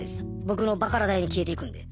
僕のバカラ代に消えていくんで。